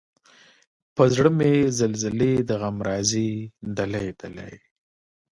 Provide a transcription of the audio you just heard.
پۀ زړۀ مې زلزلې د غم راځي دلۍ، دلۍ